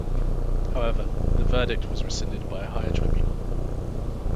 However, the verdict was rescinded by a higher tribunal.